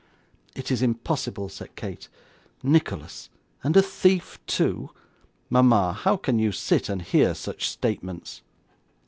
'It is impossible,' said Kate. 'Nicholas! and a thief too! Mama, how can you sit and hear such statements?